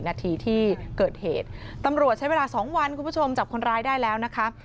นาทีที่เกิดเหตุตำรวจใช้เวลา๒วันคุณผู้ชมจับคนร้ายได้แล้วนะคะ